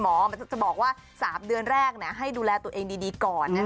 มันจะบอกว่า๓เดือนแรกให้ดูแลตัวเองดีก่อน